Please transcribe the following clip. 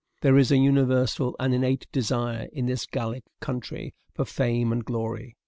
There is a universal and innate desire in this Gallic country for fame and glory.